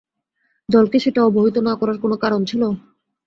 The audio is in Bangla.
দলকে সেটা অবহিত না করার কোনো কারণ ছিল?